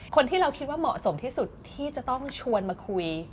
คนที่เราคิดว่าเหมาะสมที่สุดที่จะต้องชวนมาคุย